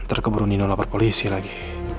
ntar keburu nino lapar polisi lagi